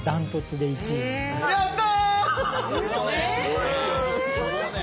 やった！